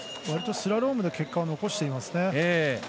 割とスラロームで結果を残していますね。